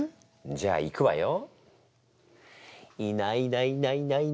じゃあいくわよ。